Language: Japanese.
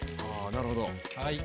なるほど。